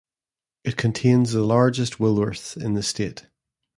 It contains the largest Woolworths in the state.